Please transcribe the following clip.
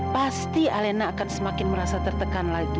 pasti alena akan semakin merasa tertekan lagi